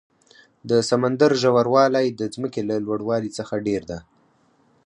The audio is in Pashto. د سمندر ژور والی د ځمکې له لوړ والي څخه ډېر ده.